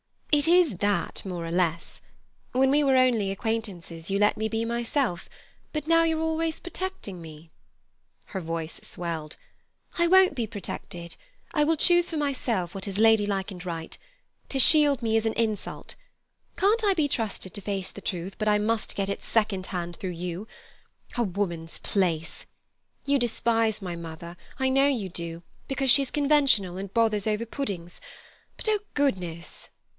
It is that, more or less. When we were only acquaintances, you let me be myself, but now you're always protecting me." Her voice swelled. "I won't be protected. I will choose for myself what is ladylike and right. To shield me is an insult. Can't I be trusted to face the truth but I must get it second hand through you? A woman's place! You despise my mother—I know you do—because she's conventional and bothers over puddings; but, oh goodness!"